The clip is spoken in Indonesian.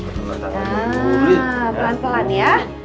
nah pelan pelan ya